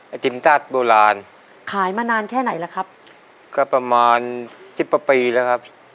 ไอศครีมตัดโบราณขายมานานแค่ไหนแหละครับก็ประมาณสิบประปรีแล้วครับ